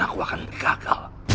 dan aku akan gagal